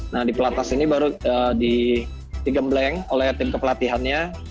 nah di pelatnas ini baru digembleng oleh tim kepelatihannya